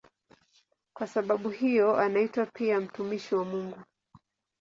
Kwa sababu hiyo anaitwa pia "mtumishi wa Mungu".